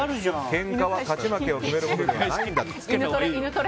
けんかは勝ち負けを決めるものではないんだと。